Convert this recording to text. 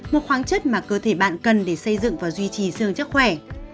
một khoáng chất mà cơ thể bạn cần để xây dựng và duy trì xương chắc khỏe